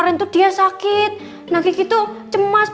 satu dua tiga